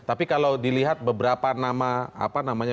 tapi kalau dilihat beberapa nama apa namanya